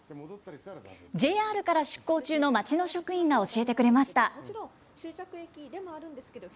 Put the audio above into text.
ＪＲから出向中の町の職員が教えてくれました。